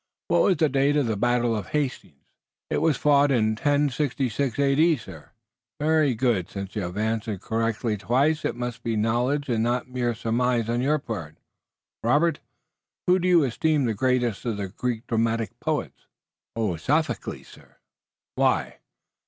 What was the date of the battle of Hastings?" "It was fought 1066 A.D., sir." "Very good. Since you have answered correctly twice it must be knowledge and not mere surmise on your part. Robert, whom do you esteem the greatest of the Greek dramatic poets?" "Sophocles, sir." "Why?"